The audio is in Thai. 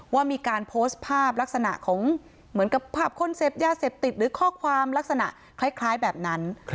ว่ามีการโพสต์ภาพลักษณะเหมือนกับภาพข้อความลักษณะคล้ายแบบนั้น